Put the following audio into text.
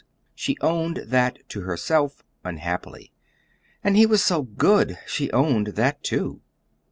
She owned that to herself unhappily. And he was so good! she owned that, too.